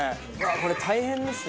これ大変ですね